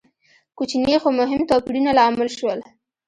کوچني خو مهم توپیرونه لامل شول.